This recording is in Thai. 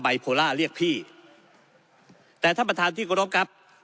โพล่าเรียกพี่แต่ท่านประธานที่กรบครับ